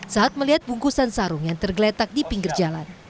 saat melihat bungkusan sarung yang tergeletak di pinggir jalan